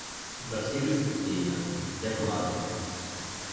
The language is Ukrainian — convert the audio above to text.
Завсіди спокійна, як мармур.